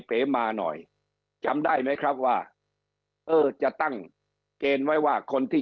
เป๋มาหน่อยจำได้ไหมครับว่าเออจะตั้งเกณฑ์ไว้ว่าคนที่